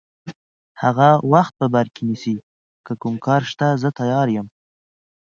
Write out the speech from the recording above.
هغه وخت په بر کې نیسي، که کوم کار شته زه تیار یم.